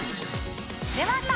出ました！